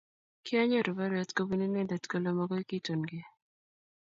Kianyoru parwet kobun inendet kole makoy kitunkei.